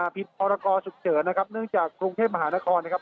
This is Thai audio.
ผิดพรกรฉุกเฉินนะครับเนื่องจากกรุงเทพมหานครนะครับ